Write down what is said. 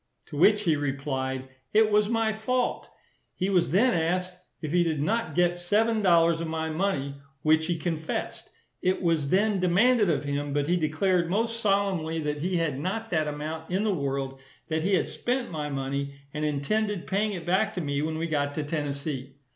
To which he replied, it was my fault. He was then asked, if he did not get seven dollars of my money, which he confessed. It was then demanded of him; but he declared most solemnly, that he had not that amount in the world; that he had spent my money, and intended paying it back to me when we got to Tennessee.